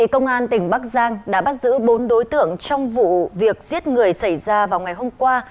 công an tỉnh bắc giang đã bắt giữ bốn đối tượng trong vụ việc giết người xảy ra vào ngày hôm qua